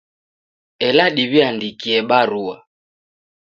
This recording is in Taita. Ela diwiandikie barua